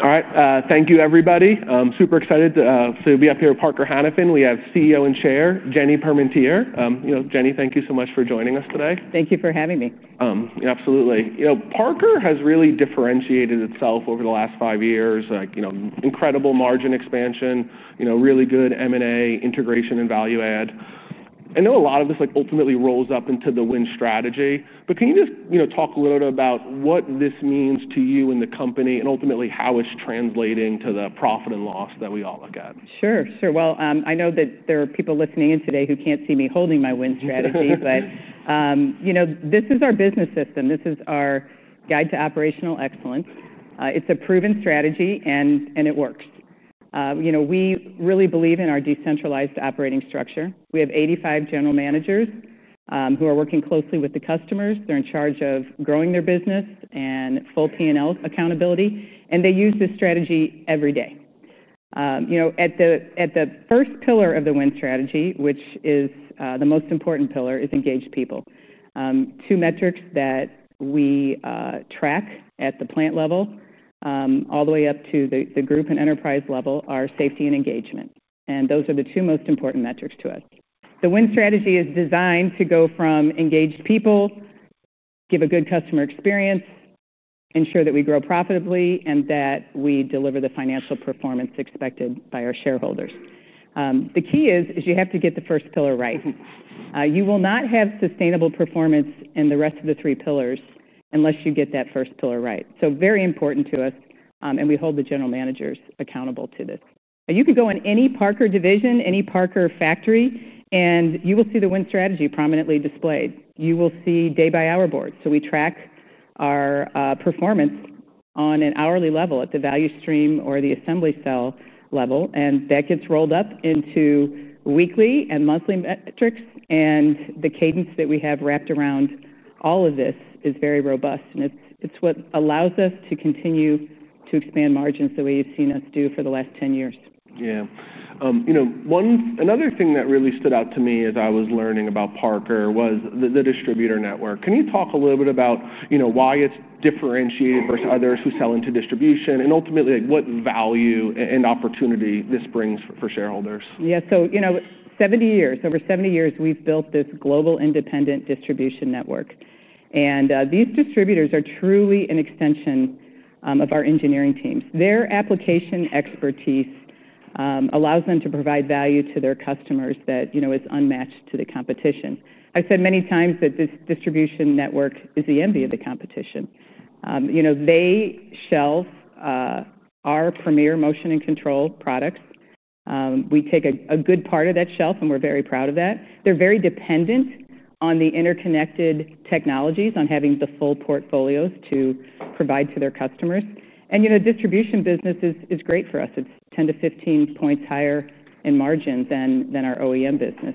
All right. Thank you, everybody. I'm super excited to be up here at Parker-Hannifin. We have CEO and Chair, Jenny Parmentier. Jenny, thank you so much for joining us today. Thank you for having me. Absolutely. You know, Parker has really differentiated itself over the last five years, like incredible margin expansion, really good M&A integration and value add. I know a lot of this ultimately rolls up into the Win Strategy, but can you just talk a little bit about what this means to you and the company and ultimately how it's translating to the profit and loss that we all look at? Sure. I know that there are people listening in today who can't see me holding my Win Strategy, but you know this is our business system. This is our guide to operational excellence. It's a proven strategy, and it works. You know, we really believe in our decentralized operating structure. We have 85 general managers who are working closely with the customers. They're in charge of growing their business and full P&L accountability, and they use this strategy every day. At the first pillar of the Win Strategy, which is the most important pillar, is engaged people. Two metrics that we track at the plant level all the way up to the group and enterprise level are safety and engagement, and those are the two most important metrics to us. The Win Strategy is designed to go from engaged people, give a good customer experience, ensure that we grow profitably, and that we deliver the financial performance expected by our shareholders. The key is you have to get the first pillar right. You will not have sustainable performance in the rest of the three pillars unless you get that first pillar right. Very important to us, and we hold the general managers accountable to this. You could go in any Parker division, any Parker factory, and you will see the Win Strategy prominently displayed. You will see day-by-hour boards. We track our performance on an hourly level at the value stream or the assembly cell level, and that gets rolled up into weekly and monthly metrics. The cadence that we have wrapped around all of this is very robust, and it's what allows us to continue to expand margins the way you've seen us do for the last 10 years. Yeah. You know, another thing that really stood out to me as I was learning about Parker was the distributor network. Can you talk a little bit about why it's differentiated versus others who sell into distribution, and ultimately what value and opportunity this brings for shareholders? Yeah. You know, 70 years, over 70 years, we've built this global independent distributor network, and these distributors are truly an extension of our engineering teams. Their application expertise allows them to provide value to their customers that is unmatched to the competition. I've said many times that this distributor network is the envy of the competition. They shelf our premier motion and control products. We take a good part of that shelf, and we're very proud of that. They're very dependent on the interconnected technologies, on having the full portfolios to provide to their customers. The distribution business is great for us. It's 10%-15% higher in margin than our OEM business.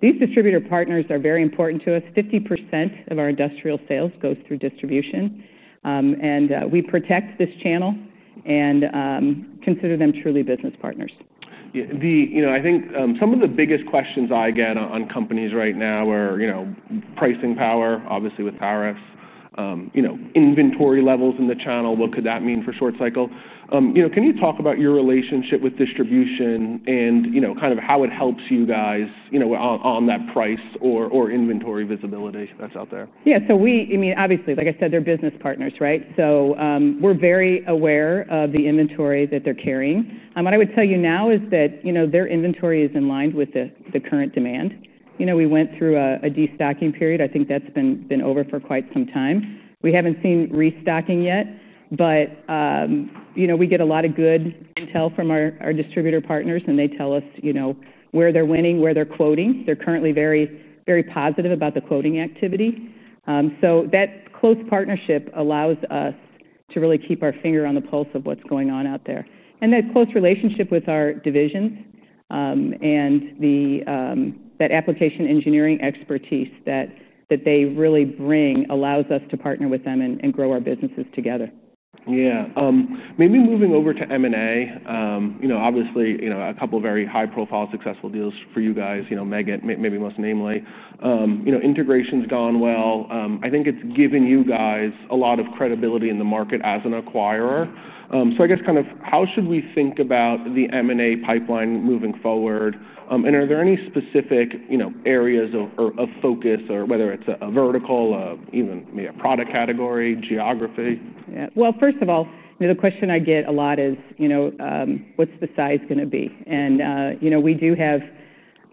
These distributor partners are very important to us. 50% of our industrial sales go through distribution, and we protect this channel and consider them truly business partners. Yeah. I think some of the biggest questions I get on companies right now are pricing power, obviously with tariffs, inventory levels in the channel, what could that mean for short cycle? Can you talk about your relationship with distribution and kind of how it helps you guys on that price or inventory visibility that's out there? Yeah. We, I mean, obviously, like I said, they're business partners, right? We're very aware of the inventory that they're carrying. What I would tell you now is that their inventory is in line with the current demand. We went through a de-stacking period. I think that's been over for quite some time. We haven't seen re-stacking yet, but we get a lot of good intel from our distributor partners, and they tell us where they're winning, where they're quoting. They're currently very, very positive about the quoting activity. That close partnership allows us to really keep our finger on the pulse of what's going on out there. That close relationship with our divisions and that application engineering expertise that they really bring allows us to partner with them and grow our businesses together. Yeah. Maybe moving over to M&A, obviously, a couple of very high-profile successful deals for you guys, Meggitt maybe most namely. Integration's gone well. I think it's given you guys a lot of credibility in the market as an acquirer. I guess kind of how should we think about the M&A pipeline moving forward? Are there any specific areas of focus or whether it's a vertical, even maybe a product category, geography? First of all, the question I get a lot is, you know, what's the size going to be? You know, we do have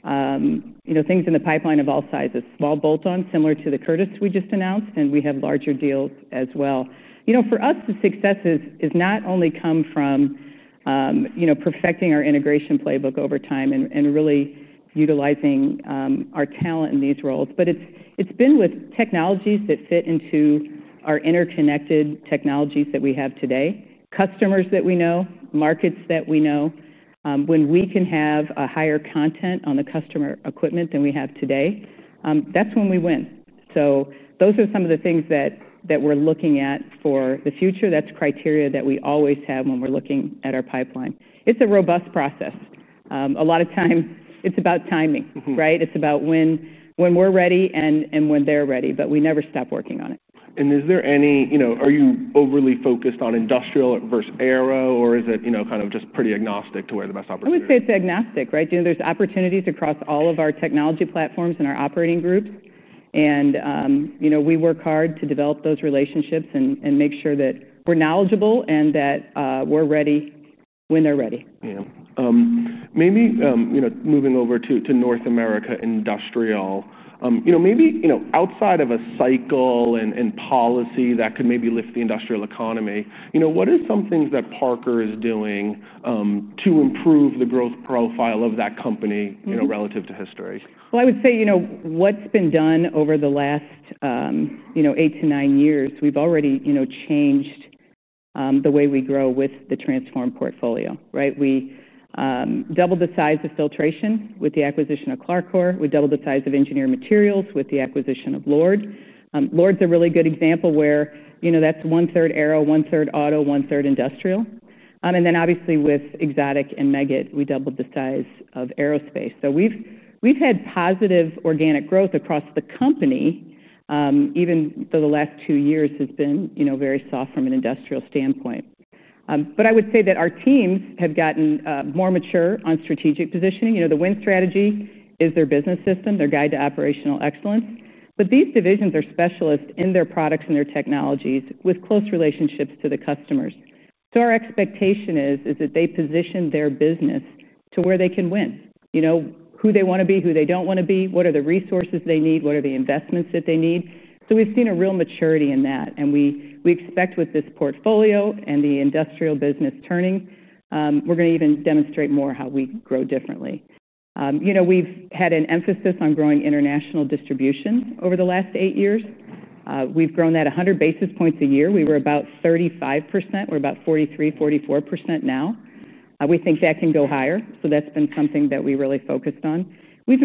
things in the pipeline of all sizes: small bolt-ons, similar to the Curtis we just announced, and we have larger deals as well. For us, the successes not only come from perfecting our integration playbook over time and really utilizing our talent in these roles, but it's been with technologies that fit into our interconnected technologies that we have today, customers that we know, markets that we know. When we can have a higher content on the customer equipment than we have today, that's when we win. Those are some of the things that we're looking at for the future. That's criteria that we always have when we're looking at our pipeline. It's a robust process. A lot of times, it's about timing, right? It's about when we're ready and when they're ready, but we never stop working on it. Is there any, you know, are you overly focused on Industrial versus Aero, or is it kind of just pretty agnostic to where the best opportunity is? I would say it's agnostic, right? There are opportunities across all of our technology platforms and our operating groups, and we work hard to develop those relationships and make sure that we're knowledgeable and that we're ready when they're ready. Maybe, you know, moving over to North America Industrial, maybe outside of a cycle and policy that could maybe lift the industrial economy, what are some things that Parker is doing to improve the growth profile of that company, you know, relative to history? I would say, you know, what's been done over the last eight to nine years, we've already changed the way we grow with the transformed portfolio, right? We doubled the size of filtration with the acquisition of CLARCOR. We doubled the size of engineered materials with the acquisition of LORD Corporation. LORD's a really good example where, you know, that's one-third Aero, one-third Auto, one-third Industrial. Obviously, with Exotic Metals Forming Company and Meggitt, we doubled the size of aerospace. We've had positive organic growth across the company. Even for the last two years, it's been very soft from an industrial standpoint. I would say that our teams have gotten more mature on strategic positioning. The Win Strategy is their business system, their guide to operational excellence. These divisions are specialists in their products and their technologies with close relationships to the customers. Our expectation is that they position their business to where they can win. You know, who they want to be, who they don't want to be, what are the resources they need, what are the investments that they need. We've seen a real maturity in that, and we expect with this portfolio and the industrial business turning, we're going to even demonstrate more how we grow differently. We've had an emphasis on growing international distribution over the last eight years. We've grown that 100 basis points a year. We were about 35%. We're about 43%-44% now. We think that can go higher. That's been something that we really focused on. We've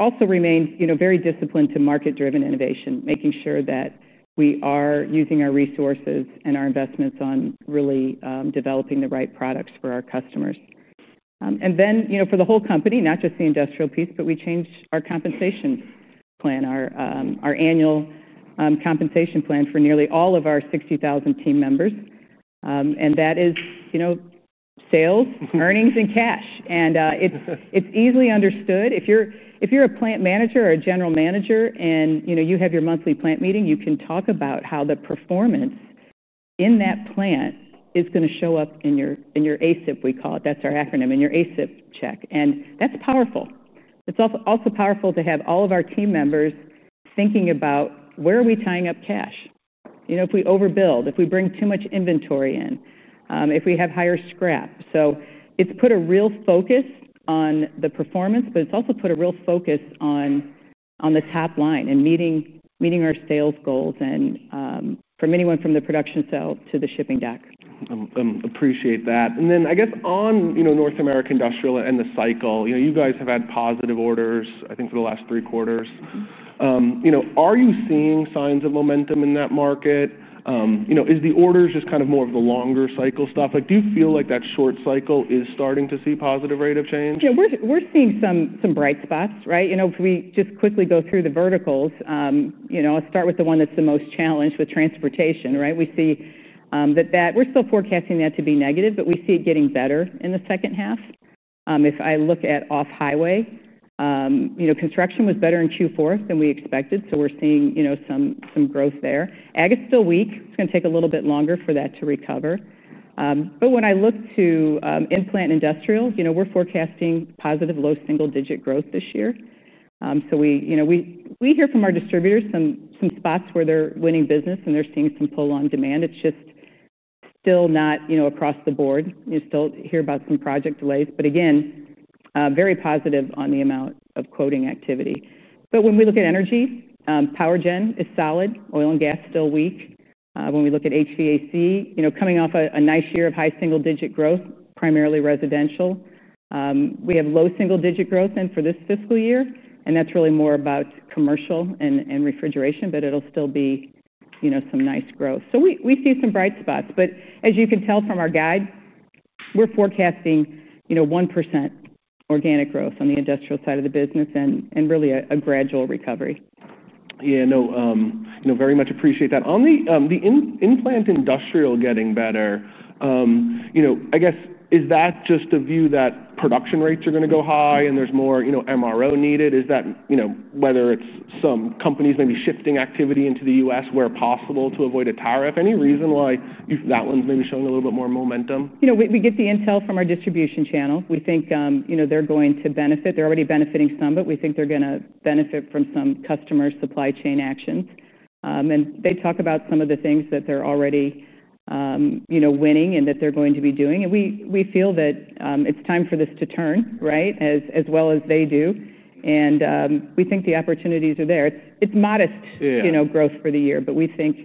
also remained very disciplined to market-driven innovation, making sure that we are using our resources and our investments on really developing the right products for our customers. For the whole company, not just the industrial piece, we changed our compensation plan, our annual compensation plan for nearly all of our 60,000 team members. That is sales, earnings, and cash. It's easily understood. If you're a Plant Manager or a General Manager and you have your monthly plant meeting, you can talk about how the performance in that plant is going to show up in your ASIP, we call it. That's our acronym, in your ASIP check. That's powerful. It's also powerful to have all of our team members thinking about where are we tying up cash. If we overbuild, if we bring too much inventory in, if we have higher scrap. It's put a real focus on the performance, but it's also put a real focus on the top line and meeting our sales goals and from anyone from the production cell to the shipping deck. I appreciate that. I guess on North American industrial and the cycle, you know, you guys have had positive orders, I think, for the last three quarters. You know, are you seeing signs of momentum in that market? You know, is the orders just kind of more of the longer cycle stuff? Like, do you feel like that short cycle is starting to see positive rate of change? Yeah, we're seeing some bright spots, right? If we just quickly go through the verticals, I'll start with the one that's the most challenged with transportation, right? We see that we're still forecasting that to be negative, but we see it getting better in the second half. If I look at off-highway, construction was better in Q4 than we expected. We're seeing some growth there. AG is still weak. It's going to take a little bit longer for that to recover. When I look to implant industrial, we're forecasting positive low single-digit growth this year. We hear from our distributors some spots where they're winning business and they're seeing some pull on demand. It's just still not across the board. You still hear about some project delays, again, very positive on the amount of quoting activity. When we look at energy, POWERGEN is solid. Oil and gas is still weak. When we look at HVAC, coming off a nice year of high single-digit growth, primarily residential, we have low single-digit growth for this fiscal year, and that's really more about commercial and refrigeration, but it'll still be some nice growth. We see some bright spots, but as you can tell from our guide, we're forecasting 1% organic growth on the industrial side of the business and really a gradual recovery. Yeah, no, very much appreciate that. On the implant industrial getting better, I guess is that just a view that production rates are going to go high and there's more, you know, MRO needed? Is that, you know, whether it's some companies maybe shifting activity into the U.S. where possible to avoid a tariff? Any reason why that one's maybe showing a little bit more momentum? We get the intel from our distribution channel. We think they're going to benefit. They're already benefiting some, but we think they're going to benefit from some customer supply chain actions. They talk about some of the things that they're already winning and that they're going to be doing. We feel that it's time for this to turn, right, as well as they do. We think the opportunities are there. It's modest growth for the year, but we think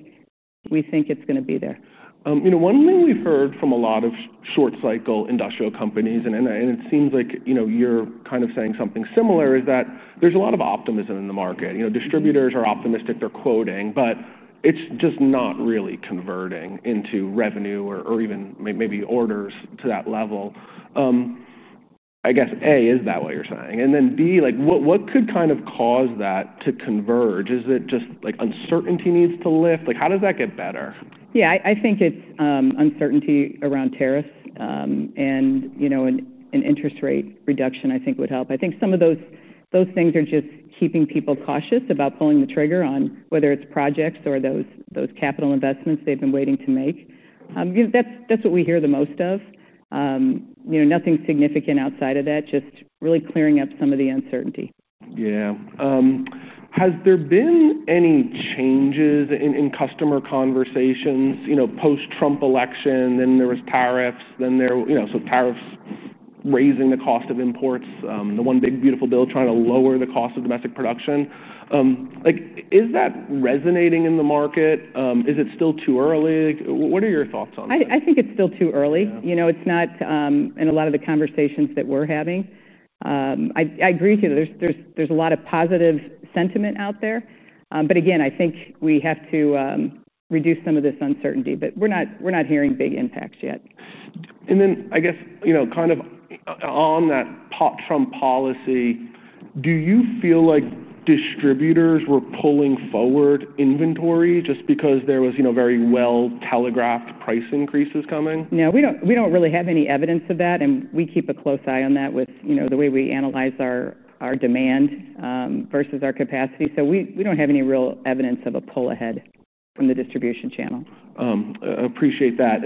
it's going to be there. One thing we've heard from a lot of short-cycle industrial companies, and it seems like you're kind of saying something similar, is that there's a lot of optimism in the market. Distributors are optimistic, they're quoting, but it's just not really converting into revenue or even maybe orders to that level. I guess A, is that what you're saying? Then B, what could kind of cause that to converge? Is it just like uncertainty needs to lift? How does that get better? Yeah, I think it's uncertainty around tariffs and, you know, an interest rate reduction, I think, would help. I think some of those things are just keeping people cautious about pulling the trigger on whether it's projects or those capital investments they've been waiting to make. That's what we hear the most of. Nothing significant outside of that, just really clearing up some of the uncertainty. Has there been any changes in customer conversations, you know, post-Trump election, then there were tariffs, then there, you know, tariffs raising the cost of imports, the one big beautiful bill trying to lower the cost of domestic production. Is that resonating in the market? Is it still too early? What are your thoughts on that? I think it's still too early. You know, it's not in a lot of the conversations that we're having. I agree with you that there's a lot of positive sentiment out there. I think we have to reduce some of this uncertainty, but we're not hearing big impacts yet. I guess, you know, kind of on that pop Trump policy, do you feel like distributors were pulling forward inventory just because there was, you know, very well-telegraphed price increases coming? No, we don't really have any evidence of that, and we keep a close eye on that with the way we analyze our demand versus our capacity. We don't have any real evidence of a pull ahead from the distribution channel. I appreciate that.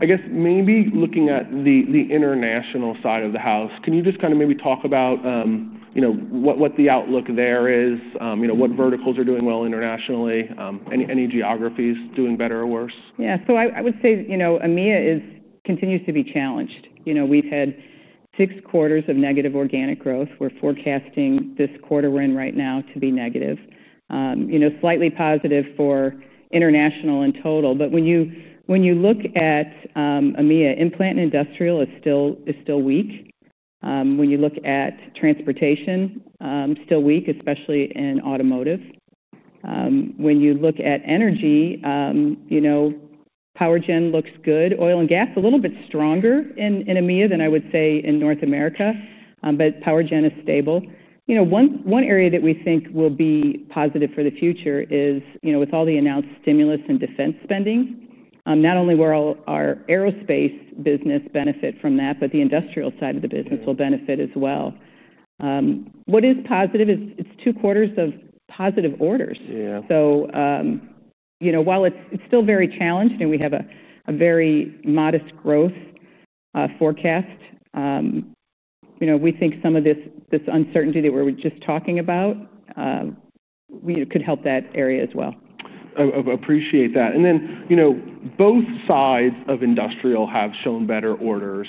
I guess maybe looking at the international side of the house, can you just kind of maybe talk about what the outlook there is, what verticals are doing well internationally, any geographies doing better or worse? Yeah, I would say EMEA continues to be challenged. We've had six quarters of negative organic growth. We're forecasting this quarter we're in right now to be negative, slightly positive for international in total. When you look at EMEA, implant and industrial is still weak. When you look at transportation, still weak, especially in automotive. When you look at energy, POWERGEN looks good. Oil and gas is a little bit stronger in EMEA than I would say in North America, but POWERGEN is stable. One area that we think will be positive for the future is, with all the announced stimulus and defense spending, not only will our aerospace business benefit from that, but the industrial side of the business will benefit as well. What is positive is it's two quarters of positive orders. Yeah. While it's still very challenged and we have a very modest growth forecast, we think some of this uncertainty that we were just talking about could help that area as well. I appreciate that. You know, both sides of industrial have shown better orders.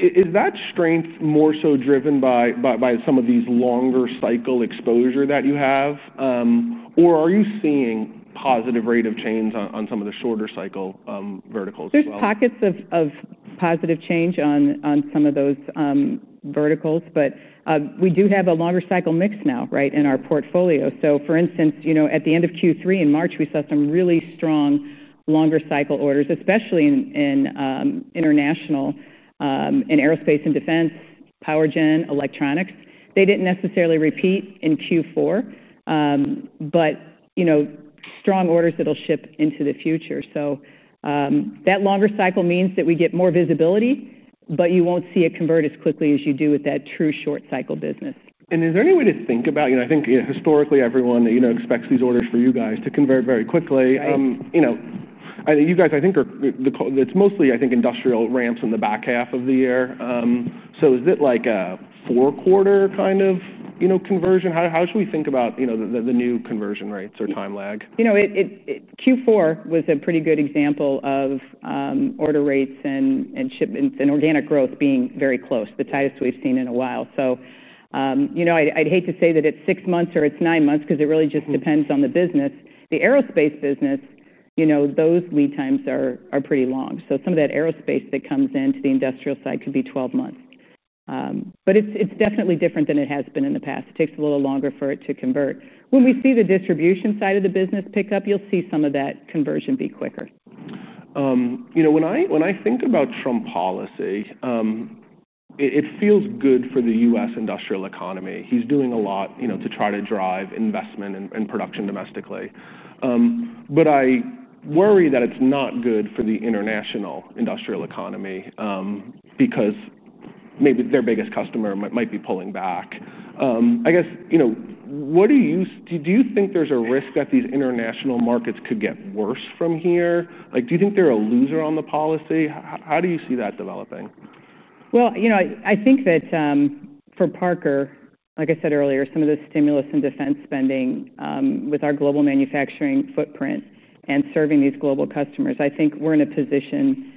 Is that strength more so driven by some of these longer cycle exposure that you have, or are you seeing positive rate of change on some of the shorter cycle verticals as well? are pockets of positive change on some of those verticals, but we do have a longer cycle mix now, right, in our portfolio. For instance, at the end of Q3 in March, we saw some really strong longer cycle orders, especially in International, in Aerospace and Defense, POWERGEN, Electronics. They didn't necessarily repeat in Q4, but strong orders that'll ship into the future. That longer cycle means that we get more visibility, but you won't see it convert as quickly as you do with that true short cycle business. Is there any way to think about, you know, I think historically everyone expects these orders for you guys to convert very quickly. You guys, I think, are the, it's mostly, I think, industrial ramps in the back half of the year. Is it like a four-quarter kind of, you know, conversion? How should we think about, you know, the new conversion rates or time lag? Q4 was a pretty good example of order rates and shipments and organic growth being very close, the tightest we've seen in a while. I'd hate to say that it's six months or it's nine months because it really just depends on the business. The Aerospace business, those lead times are pretty long. Some of that Aerospace that comes into the Industrial side could be 12 months. It's definitely different than it has been in the past. It takes a little longer for it to convert. When we see the distribution side of the business pick up, you'll see some of that conversion be quicker. When I think about Trump policy, it feels good for the U.S. industrial economy. He's doing a lot to try to drive investment and production domestically. I worry that it's not good for the international industrial economy because maybe their biggest customer might be pulling back. I guess, do you think there's a risk that these international markets could get worse from here? Do you think they're a loser on the policy? How do you see that developing? I think that for Parker, like I said earlier, some of the stimulus and defense spending with our global manufacturing footprint and serving these global customers, I think we're in a position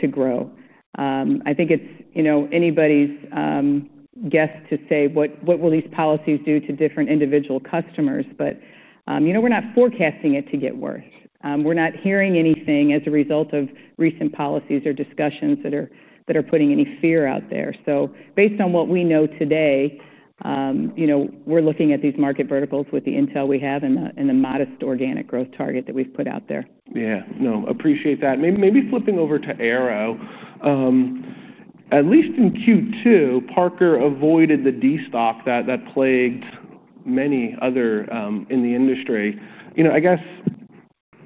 to grow. I think it's anybody's guess to say what will these policies do to different individual customers, but we're not forecasting it to get worse. We're not hearing anything as a result of recent policies or discussions that are putting any fear out there. Based on what we know today, we're looking at these market verticals with the intel we have and the modest organic growth target that we've put out there. Yeah, no, I appreciate that. Maybe flipping over to Aero. At least in Q2, Parker avoided the de-stock that plagued many others in the industry. I guess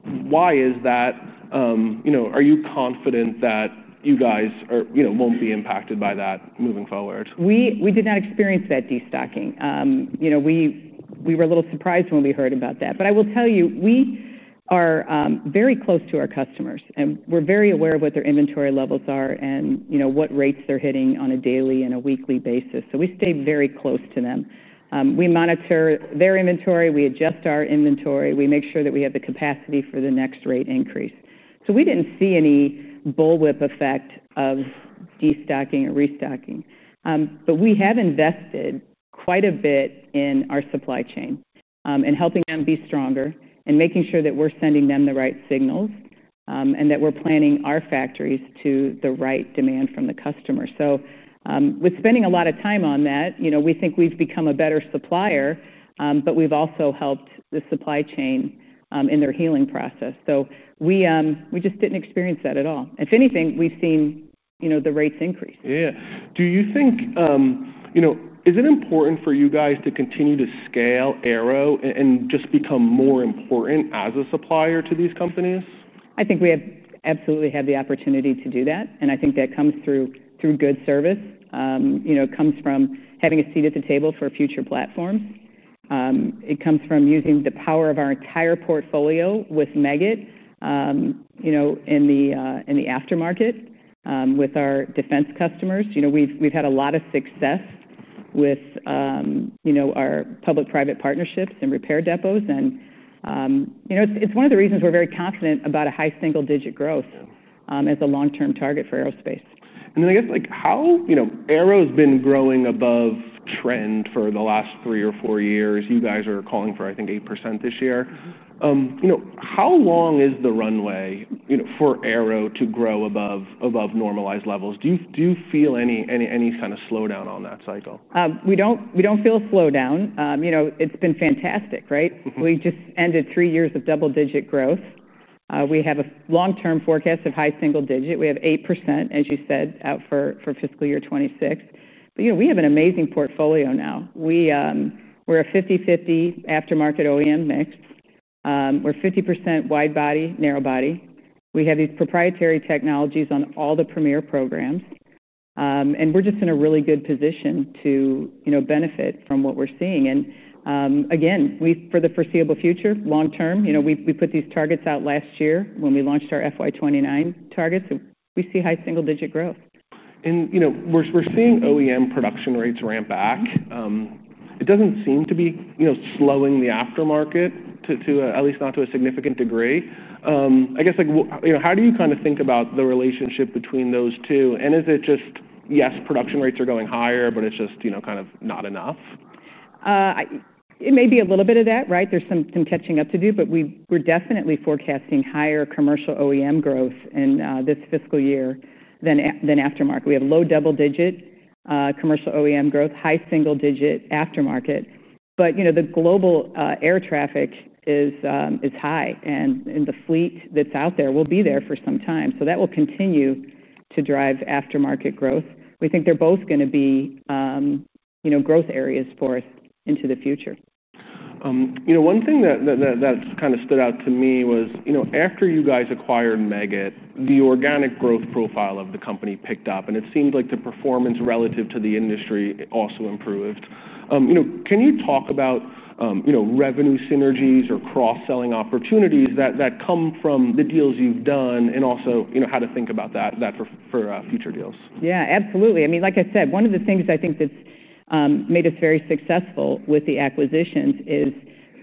why is that? Are you confident that you guys won't be impacted by that moving forward? We did not experience that de-stocking. We were a little surprised when we heard about that. I will tell you, we are very close to our customers and we're very aware of what their inventory levels are and what rates they're hitting on a daily and a weekly basis. We stay very close to them. We monitor their inventory, we adjust our inventory, we make sure that we have the capacity for the next rate increase. We didn't see any bullwhip effect of de-stocking or re-stocking. We have invested quite a bit in our supply chain and helping them be stronger and making sure that we're sending them the right signals and that we're planning our factories to the right demand from the customer. Spending a lot of time on that, we think we've become a better supplier, but we've also helped the supply chain in their healing process. We just didn't experience that at all. If anything, we've seen the rates increase. Yeah. Do you think, you know, is it important for you guys to continue to scale Aero and just become more important as a supplier to these companies? I think we absolutely have the opportunity to do that. I think that comes through good service. It comes from having a seat at the table for future platforms. It comes from using the power of our entire portfolio with Meggitt in the aftermarket with our defense customers. We've had a lot of success with our public-private partnerships and repair depots. It's one of the reasons we're very confident about a high single-digit growth as a long-term target for aerospace. I guess, like, how, you know, aero's been growing above trend for the last three or four years. You guys are calling for, I think, 8% this year. How long is the runway, you know, for aero to grow above normalized levels? Do you feel any kind of slowdown on that cycle? We don't feel a slowdown. It's been fantastic, right? We just ended three years of double-digit growth. We have a long-term forecast of high single-digit. We have 8%, as you said, out for fiscal year 2026. We have an amazing portfolio now. We're a 50/50 aftermarket OEM mix. We're 50% wide body, narrow body. We have these proprietary technologies on all the premier programs. We're just in a really good position to benefit from what we're seeing. For the foreseeable future, long-term, we put these targets out last year when we launched our FY 2029 targets. We see high single-digit growth. We're seeing OEM production rates ramp back. It doesn't seem to be slowing the aftermarket, at least not to a significant degree. I guess, how do you kind of think about the relationship between those two? Is it just, yes, production rates are going higher, but it's just not enough? It may be a little bit of that, right? There's some catching up to do, but we're definitely forecasting higher commercial OEM growth in this fiscal year than aftermarket. We have low double-digit commercial OEM growth, high single-digit aftermarket. You know, the global air traffic is high and the fleet that's out there will be there for some time. That will continue to drive aftermarket growth. We think they're both going to be growth areas for us into the future. One thing that kind of stood out to me was, after you guys acquired Meggitt, the organic growth profile of the company picked up and it seemed like the performance relative to the industry also improved. Can you talk about revenue synergies or cross-selling opportunities that come from the deals you've done and also how to think about that for future deals? Yeah, absolutely. I mean, like I said, one of the things I think that's made us very successful with the acquisitions is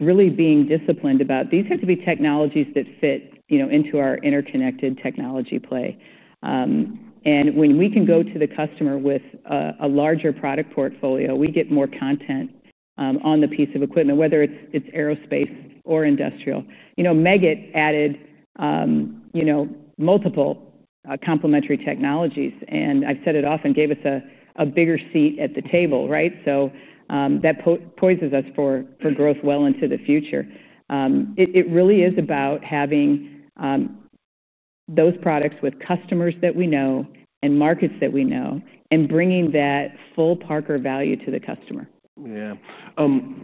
really being disciplined about these have to be technologies that fit, you know, into our interconnected technology play. When we can go to the customer with a larger product portfolio, we get more content on the piece of equipment, whether it's Aerospace or Industrial. Meggitt added, you know, multiple complementary technologies and I've said it often, gave us a bigger seat at the table, right? That poises us for growth well into the future. It really is about having those products with customers that we know and markets that we know and bringing that full Parker value to the customer. Yeah.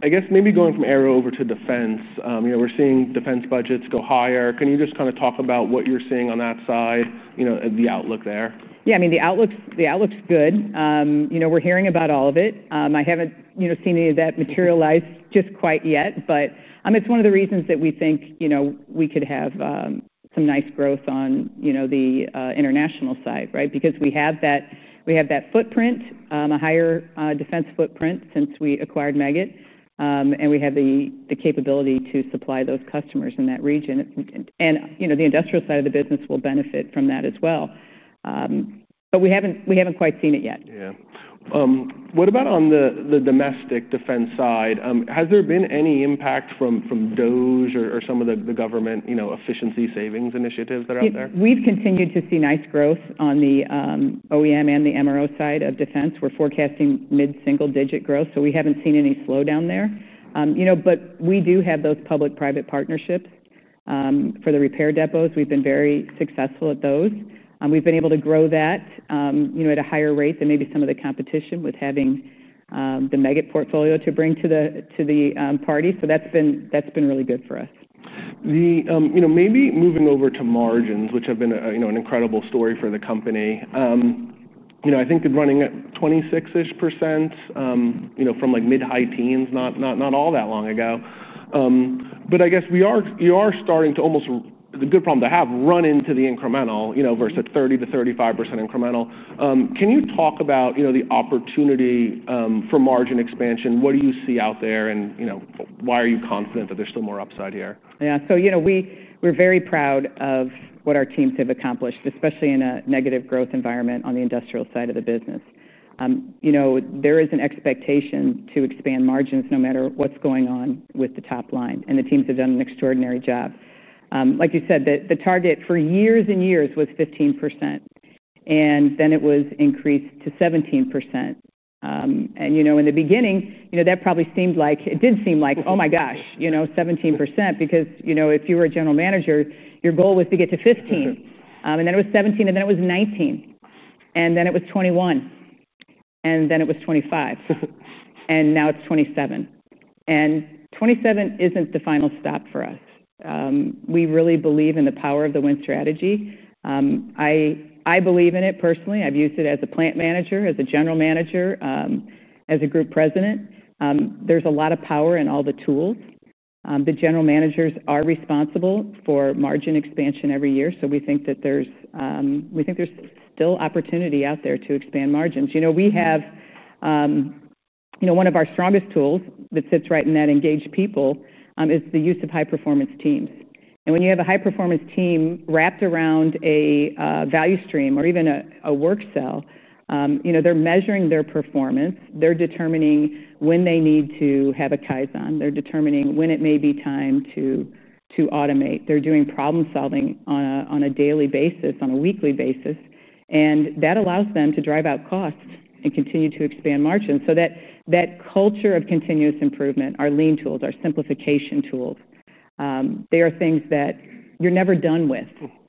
I guess maybe going from Aero over to Defense, you know, we're seeing Defense budgets go higher. Can you just kind of talk about what you're seeing on that side, you know, the outlook there? Yeah, I mean, the outlook's good. We're hearing about all of it. I haven't seen any of that materialize just quite yet, but it's one of the reasons that we think we could have some nice growth on the International side, right? Because we have that footprint, a higher defense footprint since we acquired Meggitt, and we have the capability to supply those customers in that region. The Industrial side of the business will benefit from that as well. We haven't quite seen it yet. Yeah. What about on the Domestic Defense side? Has there been any impact from DoD or some of the government, you know, efficiency savings initiatives that are out there? We've continued to see nice growth on the OEM and the MRO side of Defense. We're forecasting mid-single-digit growth, so we haven't seen any slowdown there. We do have those public-private partnerships for the repair depots. We've been very successful at those. We've been able to grow that at a higher rate than maybe some of the competition with having the Meggitt portfolio to bring to the party. That's been really good for us. Maybe moving over to margins, which have been an incredible story for the company. I think they're running at 26% from like mid-high teens, not all that long ago. I guess you are starting to almost, it's a good problem to have, run into the incremental versus 30%-35% incremental. Can you talk about the opportunity for margin expansion? What do you see out there and why are you confident that there's still more upside here? Yeah, so, you know, we're very proud of what our teams have accomplished, especially in a negative growth environment on the industrial side of the business. There is an expectation to expand margins no matter what's going on with the top line, and the teams have done an extraordinary job. Like you said, the target for years and years was 15%, and then it was increased to 17%. In the beginning, that probably seemed like, it did seem like, oh my gosh, 17% because, if you were a General Manager, your goal was to get to 15%. Then it was 17%, and then it was 19%, and then it was 21%, and then it was 25%, and now it's 27%. 27% isn't the final stop for us. We really believe in the power of the Win Strategy. I believe in it personally. I've used it as a Plant Manager, as a General Manager, as a Group President. There's a lot of power in all the tools. The General Managers are responsible for margin expansion every year, so we think that there's still opportunity out there to expand margins. We have one of our strongest tools that sits right in that engaged people is the use of high-performance teams. When you have a high-performance team wrapped around a value stream or even a work cell, they're measuring their performance, they're determining when they need to have a kaizen, they're determining when it may be time to automate, they're doing problem-solving on a daily basis, on a weekly basis, and that allows them to drive out costs and continue to expand margins. That culture of continuous improvement, our lean tools, our simplification tools, they are things that you're never done with.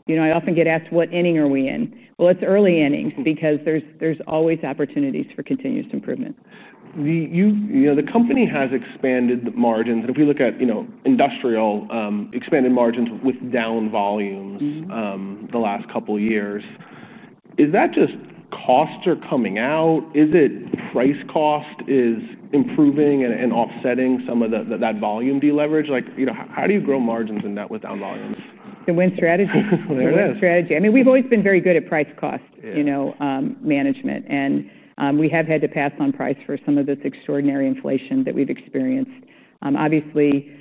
I often get asked what inning are we in? It's early innings because there's always opportunities for continuous improvement. You know, the company has expanded the margins, and if we look at, you know, industrial expanded margins with down volumes the last couple of years, is that just costs are coming out? Is it price cost is improving and offsetting some of that volume deleverage? Like, you know, how do you grow margins in that with down volumes? The Win Strategy. There it is. Win Strategy. I mean, we've always been very good at price-cost management, and we have had to pass on price for some of this extraordinary inflation that we've experienced. Obviously,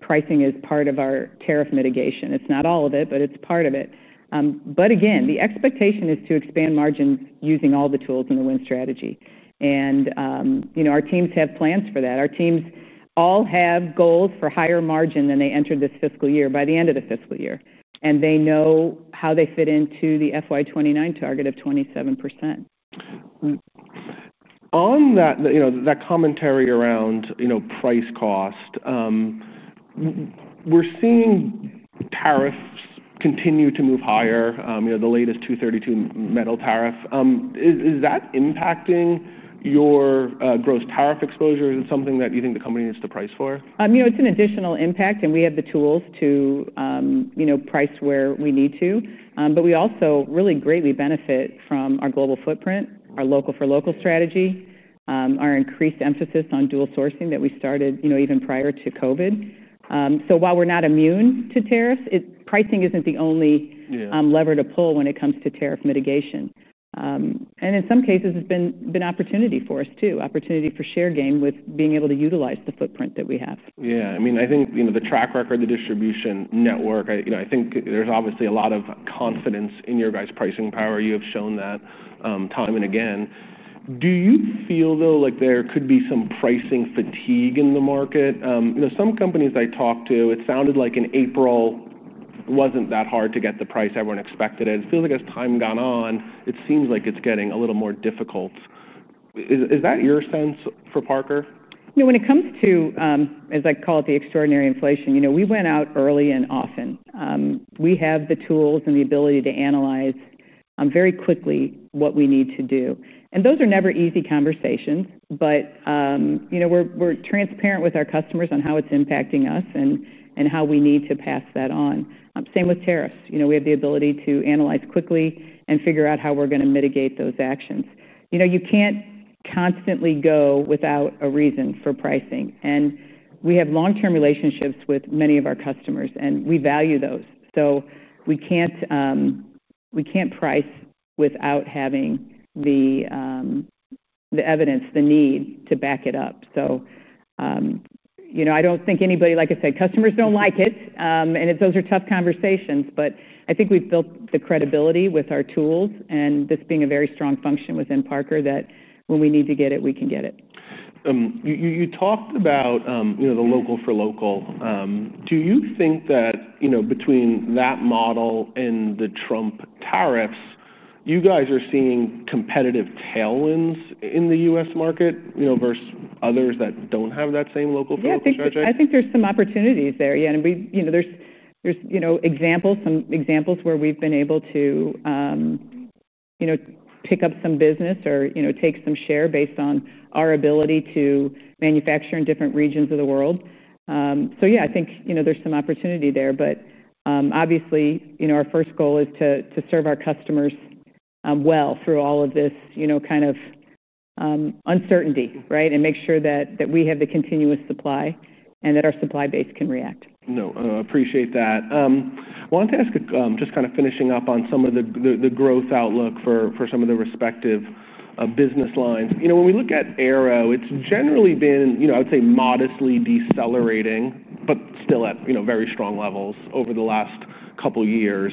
pricing is part of our tariff mitigation. It's not all of it, but it's part of it. The expectation is to expand margins using all the tools in the Win Strategy. Our teams have plans for that. Our teams all have goals for higher margin than they entered this fiscal year by the end of the fiscal year, and they know how they fit into the FY2029 target of 27%. On that commentary around price cost, we're seeing tariffs continue to move higher, the latest 232 metal tariff. Is that impacting your gross tariff exposure? Is it something that you think the company needs to price for? It's an additional impact, and we have the tools to price where we need to. We also really greatly benefit from our global footprint, our local-for-local strategy, our increased emphasis on dual sourcing that we started even prior to COVID. While we're not immune to tariffs, pricing isn't the only lever to pull when it comes to tariff mitigation. In some cases, it's been an opportunity for us too, an opportunity for share gain with being able to utilize the footprint that we have. Yeah. I mean, I think the track record of the distributor network, I think there's obviously a lot of confidence in your pricing power. You have shown that time and again. Do you feel though like there could be some pricing fatigue in the market? Some companies I talked to, it sounded like in April, it wasn't that hard to get the price everyone expected. It feels like as time has gone on, it seems like it's getting a little more difficult. Is that your sense for Parker? When it comes to, as I call it, the extraordinary inflation, we went out early and often. We have the tools and the ability to analyze very quickly what we need to do. Those are never easy conversations, but we're transparent with our customers on how it's impacting us and how we need to pass that on. Same with tariffs. We have the ability to analyze quickly and figure out how we're going to mitigate those actions. You can't constantly go without a reason for pricing. We have long-term relationships with many of our customers, and we value those. We can't price without having the evidence, the need to back it up.I don't think anybody, like I said, customers don't like it, and those are tough conversations, but I think we've built the credibility with our tools and this being a very strong function within Parker that when we need to get it, we can get it. You talked about the local-for-local. Do you think that between that model and the Trump tariffs, you guys are seeing competitive tailwinds in the U.S. market versus others that don't have that same local-focused strategy? I think there's some opportunities there, yeah. We, you know, there's examples, some examples where we've been able to pick up some business or take some share based on our ability to manufacture in different regions of the world. I think there's some opportunity there, but obviously our first goal is to serve our customers well through all of this uncertainty and make sure that we have the continuous supply and that our supply base can react. No, I appreciate that. I wanted to ask, just kind of finishing up on some of the growth outlook for some of the respective business lines. You know, when we look at Aero, it's generally been, you know, I would say modestly decelerating, but still at, you know, very strong levels over the last couple of years.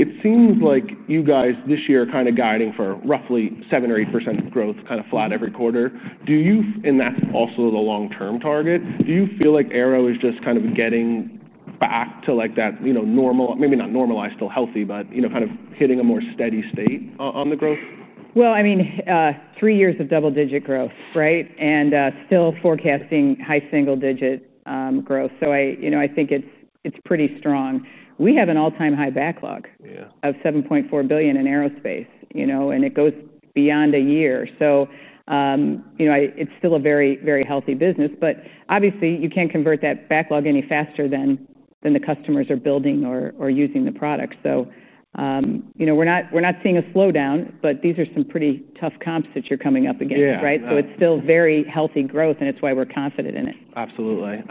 It seems like you guys this year are kind of guiding for roughly 7% or 8% growth, kind of flat every quarter. Do you, and that's also the long-term target, do you feel like Aero is just kind of getting back to like that, you know, normal, maybe not normalized, still healthy, but, you know, kind of hitting a more steady state on the growth? Three years of double-digit growth, right, and still forecasting high single-digit growth. I think it's pretty strong. We have an all-time high backlog of $7.4 billion in Aerospace, and it goes beyond a year. It's still a very, very healthy business, but obviously, you can't convert that backlog any faster than the customers are building or using the product. We're not seeing a slowdown, but these are some pretty tough comps that you're coming up against, right? It's still very healthy growth, and it's why we're confident in it. Absolutely.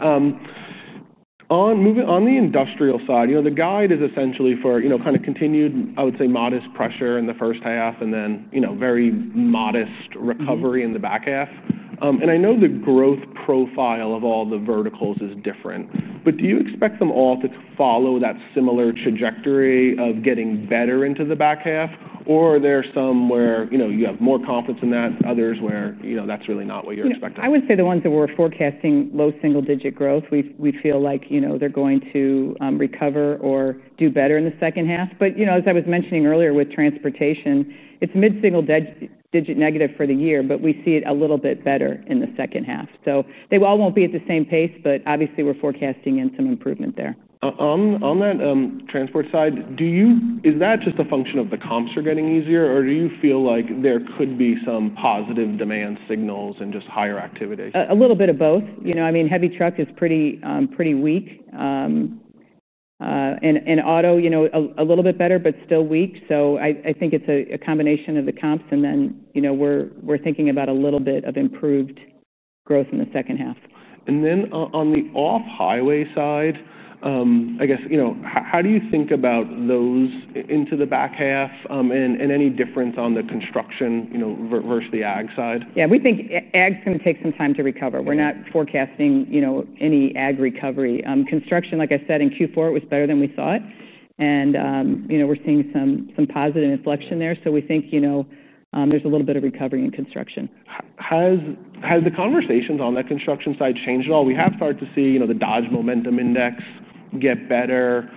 On the industrial side, the guide is essentially for continued, I would say, modest pressure in the first half and then very modest recovery in the back half. I know the growth profile of all the verticals is different, but do you expect them all to follow that similar trajectory of getting better into the back half, or are there some where you have more confidence in that, others where that's really not what you're expecting? I would say the ones that we're forecasting low single-digit growth, we feel like they're going to recover or do better in the second half. As I was mentioning earlier with transportation, it's mid-single-digit negative for the year, but we see it a little bit better in the second half. They all won't be at the same pace, but obviously, we're forecasting some improvement there. On that transport side, do you, is that just a function of the comps are getting easier, or do you feel like there could be some positive demand signals and just higher activity? A little bit of both. Heavy truck is pretty, pretty weak, and auto, a little bit better, but still weak. I think it's a combination of the comps, and then we're thinking about a little bit of improved growth in the second half. On the off-highway side, how do you think about those into the back half, and is there any difference on the construction versus the AG side? Yeah, we think AG's going to take some time to recover. We're not forecasting, you know, any ag recovery. Construction, like I said, in Q4, it was better than we thought. You know, we're seeing some positive inflection there. We think, you know, there's a little bit of recovery in construction. Have the conversations on that construction side changed at all? We have started to see the Dodge Momentum Index get better.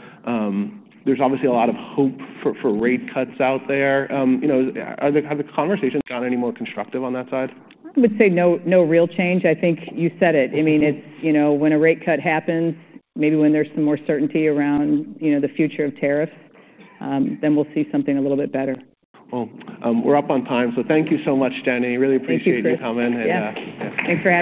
There's obviously a lot of hope for rate cuts out there. Have the conversations gotten any more constructive on that side? I would say no real change. I think you said it. I mean, you know, when a rate cut happens, maybe when there's some more certainty around the future of tariffs, then we'll see something a little bit better. Thank you so much, Jenny. Really appreciate you coming. Thanks, Greg.